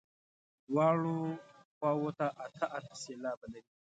دواړو خواوو ته اته اته سېلابه لري.